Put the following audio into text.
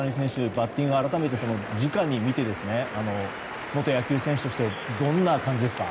バッティングを改めて直で見て元野球選手としてどんな感じですか？